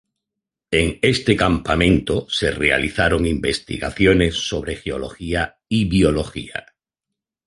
En este campamento se realizaron investigaciones sobre geología y biología.